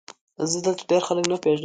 زه دلته ډېر خلک نه پېژنم ؟